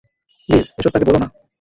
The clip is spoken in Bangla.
প্লিজ এসব তাকে বলো না।